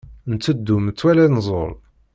Nteddu metwal anẓul.